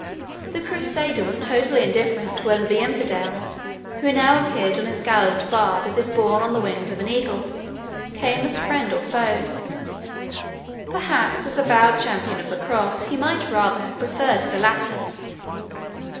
The Crusader was totally indifferent whether the infidel, who now approached on his gallant barb as if borne on the wings of an eagle, came as friend or foe perhaps, as a vowed champion of the Cross, he might rather have preferred the latter.